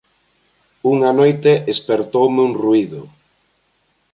Unha noite espertoume un ruído: